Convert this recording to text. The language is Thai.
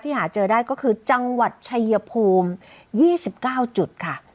ที่หาเจอได้ก็คือจังหวัดชายภูมิยี่สิบเก้าจุดค่ะ